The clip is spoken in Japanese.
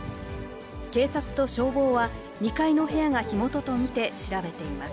警察と消防は、２階の部屋が火元と見て調べています。